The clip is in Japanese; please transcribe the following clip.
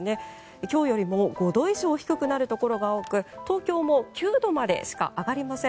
今日よりも５度以上低くなるところが多く東京も９度までしか上がりません。